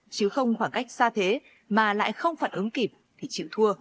chứ không khoảng cách xa thế mà lại không phản ứng kịp thì chịu thua